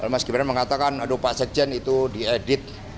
mas gibran mengatakan aduh pak sekjen itu diedit